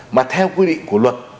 và theo quy định của luật